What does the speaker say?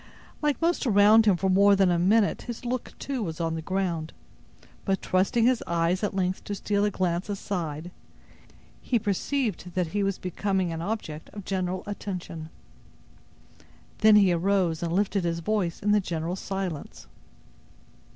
Like most around him for more than a minute his look, too, was on the ground; but, trusting his eyes at length to steal a glance aside, he perceived that he was becoming an object of general attention. Then he arose and lifted his voice in the general silence.